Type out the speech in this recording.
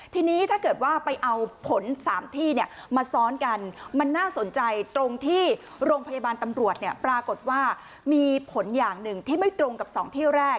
ทีนี้ถ้าเกิดว่าไปเอาผล๓ที่มาซ้อนกันมันน่าสนใจตรงที่โรงพยาบาลตำรวจเนี่ยปรากฏว่ามีผลอย่างหนึ่งที่ไม่ตรงกับ๒ที่แรก